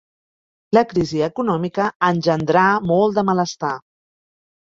La crisi econòmica engendrà molt de malestar.